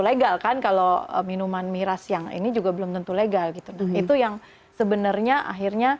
legal kan kalau minuman miras yang ini juga belum tentu legal gitu nah itu yang sebenarnya akhirnya